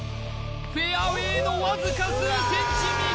フェアウェイのわずか数センチ右！